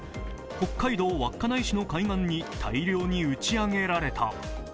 北海道稚内市の海岸に大量に打ち上げられた。